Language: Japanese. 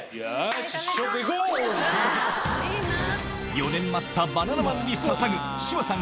４年待ったバナナマンに捧ぐ志麻さん